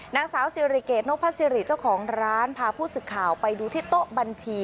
นางสาวสิริเกตนกพระศิริเจ้าของร้านพาผู้สื่อข่าวไปดูที่โต๊ะบัญชี